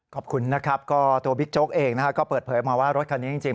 ขอบคุณนะครับก็ตัวบิ๊กโจ๊กเองนะฮะก็เปิดเผยมาว่ารถคันนี้จริง